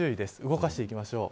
動かしていきましょう。